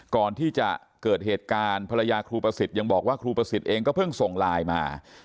ก่อนที่จะเกิดเหตุการณ์ภรรยาครูประสิทธิ์ยังบอกว่าครูประสิทธิ์เองก็เพิ่งส่งไลน์มา